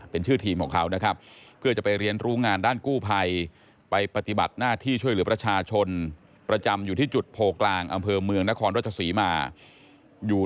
เป็นชื่อทีมของเขานะครับเพื่อจะไปเรียนรู้งานด้านกู้ภัย